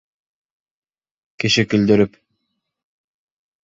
Кеше көлдөрөп...